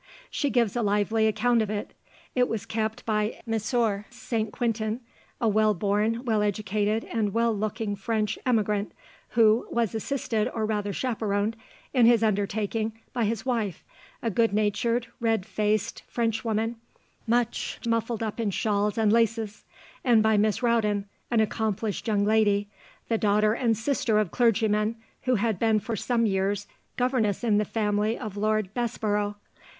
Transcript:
She gives a lively account of it. It was kept by M. St. Quintin, "a well born, well educated, and well looking French emigrant," who "was assisted, or rather chaperoned, in his undertaking by his wife, a good natured, red faced Frenchwoman, much muffled up in shawls and laces; and by Miss Rowden, an accomplished young lady, the daughter and sister of clergymen, who had been for some years governess in the family of Lord Bessborough.